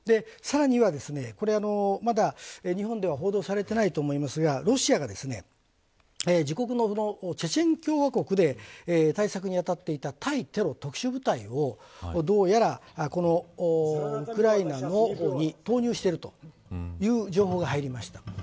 さらには、これまだ日本では報道されてないと思いますがロシアが自国のチェチェン共和国で対策に当たっていた対テロ特殊部隊をどうやらこのウクライナに投入しているという情報が入りました。